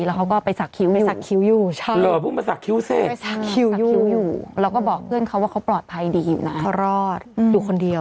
แล้วเขาก็ไปสักคิ้วอยู่ใช่ไปสักคิ้วอยู่แล้วก็บอกเพื่อนเขาว่าเขาปลอดภัยดีอยู่นะรอดอยู่คนเดียว